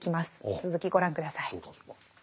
続きご覧下さい。